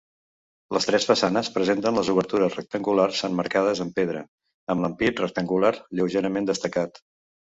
Les tres façanes presenten les obertures rectangulars emmarcades amb pedra, amb l'ampit rectangular lleument destacat.